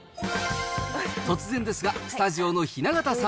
突然ですが、スタジオの雛形さん。